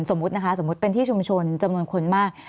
สมมุติเป็นที่ชุมชนจำนวนคนมาก